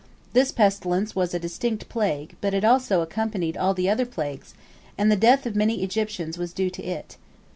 This pestilence was a distinct plague, but it also accompanied all the other plagues, and the death of many Egyptians was due to it.